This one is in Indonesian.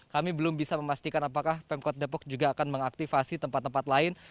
kami belum bisa memastikan apakah pemkot depok juga akan mengaktifasi tempat tempat lain